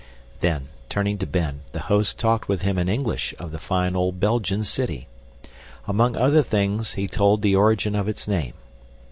Then, turning to Ben, the host talked with him in English of the fine old Belgian city. Among other things he told the origin of its name.